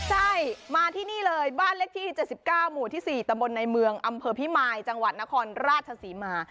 ใช่มาที่นี่เลยบ้านเลขที่๗๙หมู่ที่๔ตำบลในเมืองอำเภอพิมายจังหวัดนครราชศรีมา